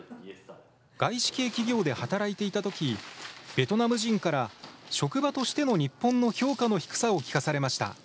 外資系企業で働いていたとき、ベトナム人から職場としての日本の評価の低さを聞かされました。